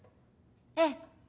ええ。